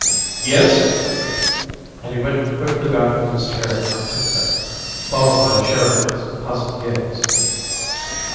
"Yessuh." And he went quickly back to his chair on tiptoe, followed by Sheridan's puzzled gaze.